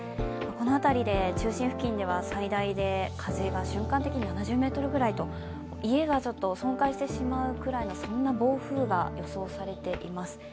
この辺りで中心付近では最大で風が瞬間的に７０メートルぐらいと家が損壊してしまうぐらいの暴風が予想されています。